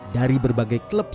dari berbagai kelompok